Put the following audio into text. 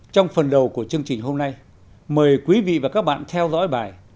trong phần đầu của chương trình hôm nay mời quý vị và các bạn theo dõi bài